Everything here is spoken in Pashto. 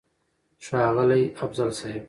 ښاغلی افضل صيب!!